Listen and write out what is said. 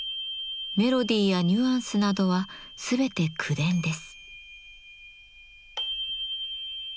メロディーやニュアンスなどはすべて口伝です。